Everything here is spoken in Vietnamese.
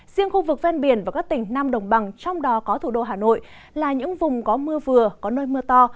riêng khu vực ven biển và các tỉnh nam đồng bằng trong đó có thủ đô hà nội là những vùng có mưa vừa có nơi mưa to